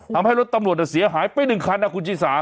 ทำให้รถตำรวจเสียหายไป๑คันนะคุณชิสา